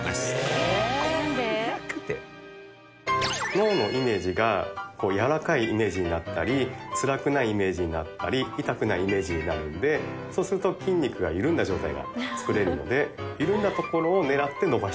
脳のイメージがやわらかいイメージになったりつらくないイメージになったり痛くないイメージになるのでそうすると筋肉が緩んだ状態が作れるので。